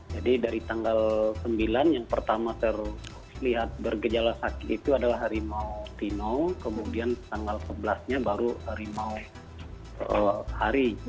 jadi dari tanggal sembilan yang pertama terlihat bergejala sakit itu adalah harimau tino kemudian tanggal sebelas nya baru harimau hari